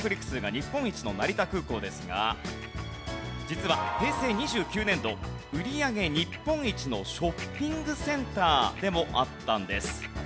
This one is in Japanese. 成田空港ですが実は平成２９年度売り上げ日本一のショッピングセンターでもあったんです。